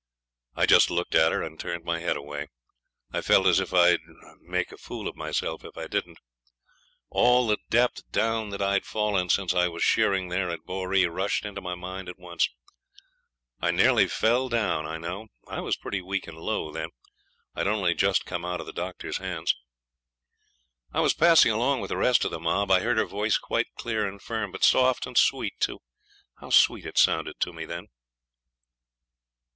I just looked at her, and turned my head away. I felt as if I'd make a fool of myself if I didn't. All the depth down that I'd fallen since I was shearing there at Boree rushed into my mind at once. I nearly fell down, I know. I was pretty weak and low then; I'd only just come out of the doctor's hands. I was passing along with the rest of the mob. I heard her voice quite clear and firm, but soft and sweet, too. How sweet it sounded to me then!